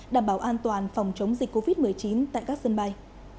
đảm bảo an toàn phòng chống dịch covid một mươi chín tại các sân bay